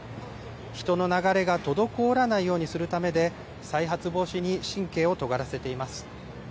人の流れが滞らないようにするためで、再発防止に神経をとがらせています。